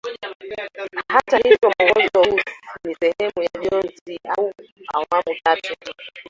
Hata hivyo mwongozo huu ni sehemu ya jozi au awamu tatu